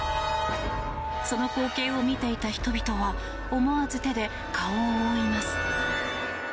その光景を見ていた人々は思わず手で顔を覆います。